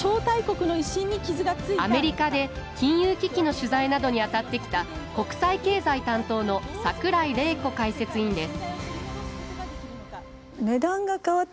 アメリカで金融危機の取材などにあたってきた国際経済担当の櫻井玲子解説委員です